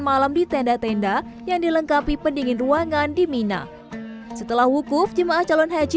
malam di tenda tenda yang dilengkapi pendingin ruangan di mina setelah wukuf jemaah calon haji